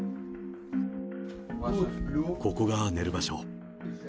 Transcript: ここが寝る場所。